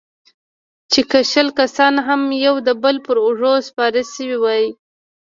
چې که شل کسان هم يو د بل پر اوږو سپاره سوي واى.